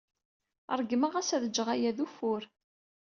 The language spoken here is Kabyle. Ṛeggmeɣ-as ad jjeɣ aya d ufur.